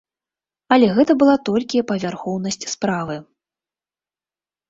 Але гэта была толькі павярхоўнасць справы.